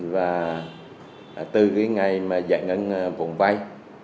và từ cái ngày mà giải ngân vốn vay